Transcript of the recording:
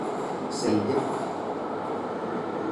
四億